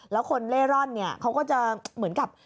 แล้วคนเล่ร่อนเนี่ยเขาก็จะเหมือนกับ